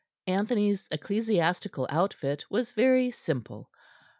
Anthony's ecclesiastical outfit was very simple.